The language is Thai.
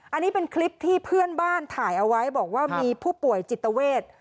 อันนี้เป็นคลิปที่เพื่อนบ้านถ่ายเอาไว้บอกว่ามีผู้ป่วยจิตเวท